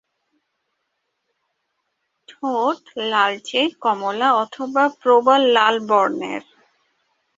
ঠোঁট লালচে-কমলা অথবা প্রবাল-লাল বর্ণের।